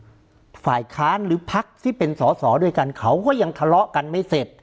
ฝ่ายค้านหรือพักที่เป็นสอสอด้วยกันเขาก็ยังทะเลาะกันไม่เสร็จ